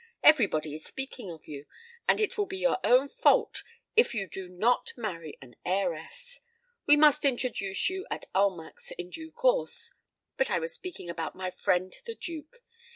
Every body is speaking of you; and it will be your own fault if you do not marry an heiress. We must introduce you at Almack's in due course. But I was speaking about my friend the Duke.